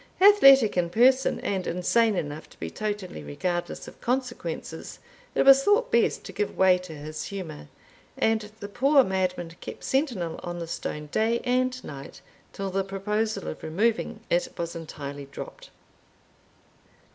Athletic in person, and insane enough to be totally regardless of consequences, it was thought best to give way to his humour; and the poor madman kept sentinel on the stone day and night, till the proposal of removing it was entirely dropped.